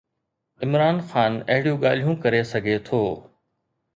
عمران خان اهڙيون ڳالهيون ڪري سگهي ٿو.